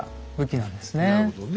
なるほどね。